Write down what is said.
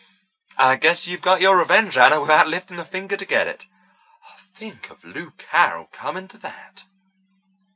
I guess you've got your revenge, Anna, without lifting a finger to get it. Think of Lou Carroll coming to that!"